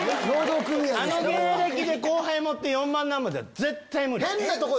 あの芸歴で後輩持って４万なんぼじゃ絶対無理。